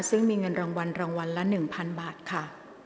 ซึ่งมีเงินรางวัลรางวัลละ๑๐๐๐บาทค่ะ